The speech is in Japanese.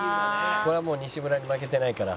「これはもう西村に負けてないから」